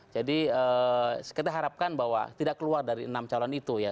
jadi kita harapkan bahwa tidak keluar dari enam calon itu ya